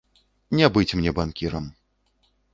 Не быць мне банкірам.